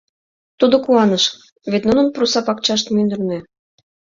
Тудо куаныш: вет нунын пурса пакчашт мӱндырнӧ.